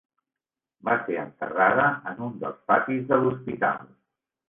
Va ser enterrada en un dels patis de l'hospital.